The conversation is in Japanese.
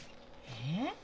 えっ？